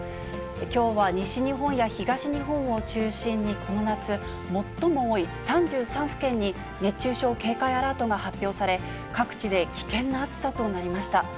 きょうは西日本や東日本を中心に、この夏、最も多い３３府県に熱中症警戒アラートが発表され、各地で危険な暑さとなりました。